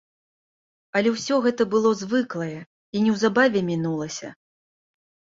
Але ўсё гэта было звыклае і неўзабаве мінулася.